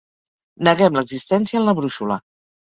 Neguem l'existència en la brúixola.